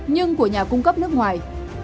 nhưng của nhà cung cấp nước ngoài